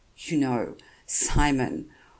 "You know ... Simon ...